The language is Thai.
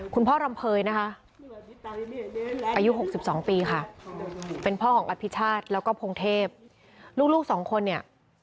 รำเภยนะคะอายุ๖๒ปีค่ะเป็นพ่อของอภิชาติแล้วก็พงเทพลูกสองคนเนี่ย